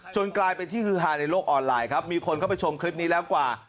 กลายเป็นที่ฮือฮาในโลกออนไลน์ครับมีคนเข้าไปชมคลิปนี้แล้วกว่า